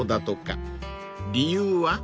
［理由は？］